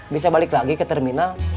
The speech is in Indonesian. bisa balik lagi ke terminal